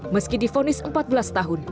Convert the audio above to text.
meski difonis empat belas tahun